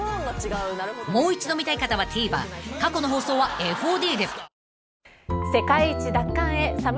［もう一度見たい方はＴＶｅｒ過去の放送はＦＯＤで］